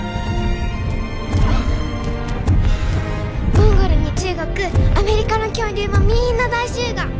モンゴルに中国アメリカの恐竜もみんな大集合！